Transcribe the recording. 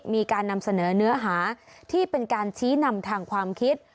มีการนำเสนอเนื้อหาที่เป็นการชี้นำทางความคิด